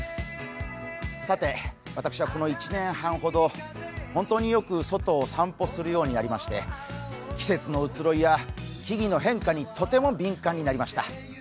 さて私はこの１年半ほど、本当によく外を散歩するようになりまして季節の移ろいや木々の変化にとても敏感になりました。